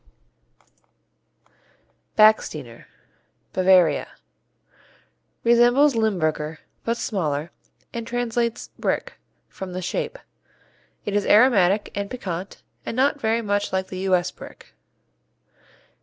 B Backsteiner Bavaria Resembles Limburger, but smaller, and translates Brick, from the shape. It is aromatic and piquant and not very much like the U.S. Brick.